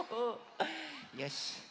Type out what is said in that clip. よし。